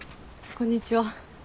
こんにちは。